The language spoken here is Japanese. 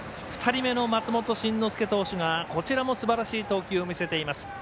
２人目の松本慎之介投手がこちらもすばらしい投球を見せています。